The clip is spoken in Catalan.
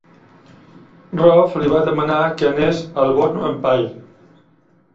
Rohfl li va demanar que anés al Bornu Empire.